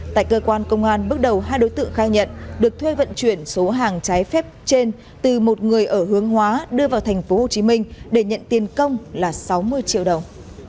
tại cơ quan công an bước đầu hai đối tượng khai nhận được thuê vận chuyển số hàng trái phép trên từ một người ở hướng hóa đưa vào tp hcm để nhận tiền công là sáu mươi triệu đồng